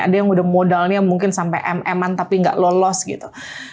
ada yang udah modalnya mungkin sampe em eman tapi gak lolos gitu